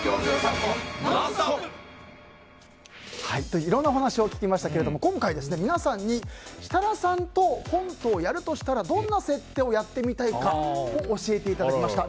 いろんなお話を聞きましたが今回、皆さんに設楽さんとコントをやるとしたらどんな設定をやってみたいかを教えていただきました。